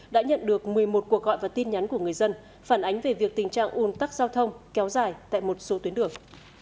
đã nhận được một mươi một cuộc gọi và tin nhắn của người dân phản ánh về việc tình trạng un tắc giao thông kéo dài tại một số tuyến đường